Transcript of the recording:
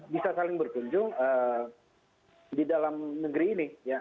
bisa saling berkunjung di dalam negeri ini